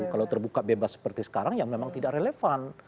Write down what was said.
kalau terbuka bebas seperti sekarang ya memang tidak relevan